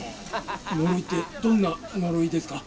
「呪いってどんな呪いですか？」。